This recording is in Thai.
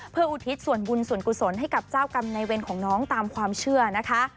เพื่ออุทิศส่วนบุญส่วนกุศลให้กับเจ้ากรรมในเวรของน้องตามความเชื่อนะคะ